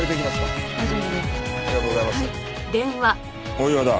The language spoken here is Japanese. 大岩だ。